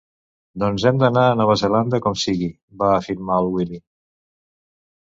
Doncs hem d'anar a Nova Zelanda com sigui —va afirmar el Willy.